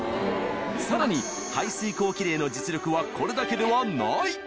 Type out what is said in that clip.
さらに「排水口キレイ」の実力はこれだけではない！